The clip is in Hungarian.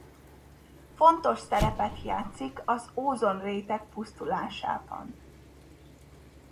Fontos szerepet játszik az ózonréteg pusztulásában.